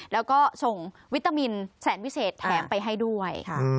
แล้วก็ส่งวิตามินแสนวิเศษแถมไปให้ด้วย